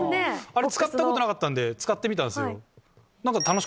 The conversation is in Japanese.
あれ使ったことなかったんで使ってみたんすよ。